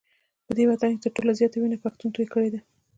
په دې وطن کي تر ټولو زیاته وینه پښتون توی کړې ده